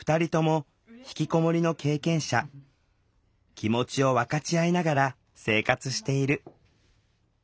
気持ちを分かち合いながら生活している。